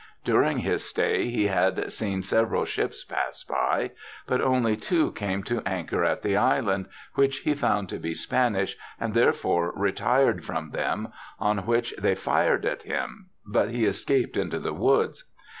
During his stay he had seen several ships pass by, but only two came to anchor at the island, which he found to be Spanish, and therefore retired from them, on which they fired at him, but he escaped into the woods.